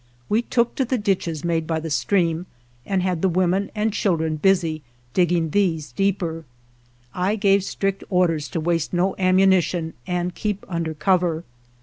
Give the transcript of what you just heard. We took to the ditches made by the stream, and had the women and children busy dig ging these deeper. I gave strict orders to waste no ammunition and keep under cover.